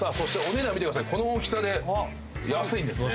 この大きさで安いんですね。